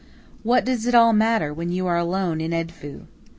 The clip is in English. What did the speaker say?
What does it all matter when you are alone in Edfu?